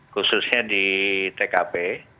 khususnya di tkp